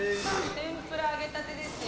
天ぷら揚げたてですよ。